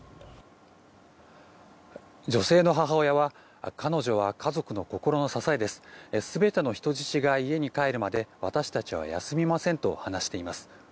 女性の母親は彼女は家族の心の支えです全ての人質が家に帰るまで私たちは休みませんと話しています。